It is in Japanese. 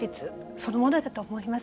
そのものだと思います。